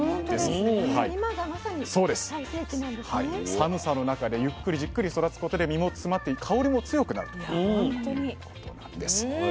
寒さの中でゆっくりじっくり育つことで身も詰まって香りも強くなるということなんです。